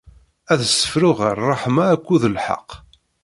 Ad ssefruɣ ɣef ṛṛeḥma akked lḥeqq.